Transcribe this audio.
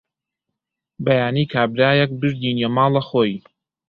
بەیانی کابرایەک بردینیە ماڵە خۆی